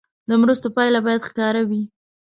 د مرستو پایله باید ښکاره وي.